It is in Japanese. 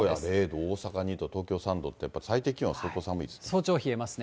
大阪２度、東京３度って、やっぱり最低気温は相当寒いですね。